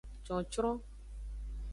Cocron.